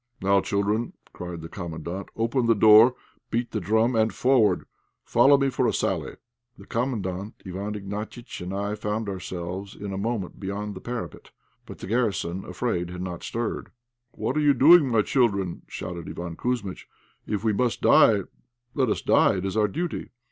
"Now, children," cried the Commandant, "open the door, beat the drum, and forward! Follow me for a sally!" The Commandant, Iwán Ignatiitch, and I found ourselves in a moment beyond the parapet. But the garrison, afraid, had not stirred. "What are you doing, my children?" shouted Iván Kouzmitch. "If we must die, let us die; it is our duty."